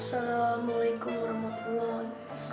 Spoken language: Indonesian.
assalamualaikum warahmatullahi wabarakatuh